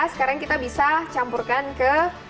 sekarang kita bisa campurkan ke